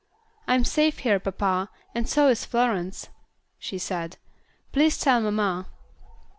"I'm safe here, papa, and so is Florence," she said; "please tell mamma."